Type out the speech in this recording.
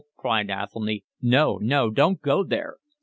cried Athelny. "No, no, don't go there.